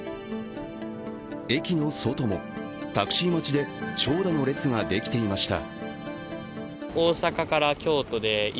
駅の外も、タクシー待ちで長蛇の列ができていました。